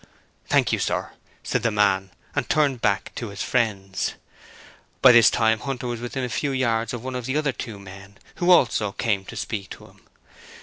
'Thank you, sir,' said the man, and turned back to his friends. By this time Hunter was within a few yards of one of the other two men, who also came to speak to him.